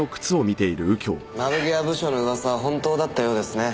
窓際部署の噂は本当だったようですね。